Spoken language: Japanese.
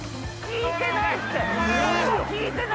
聞いてないって！